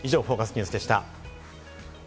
ニュースでした。